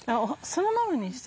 そのまま？